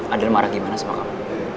ada yang marah gimana sama kamu